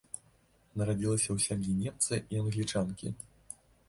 Нарадзілася ў сям'і немца і англічанкі.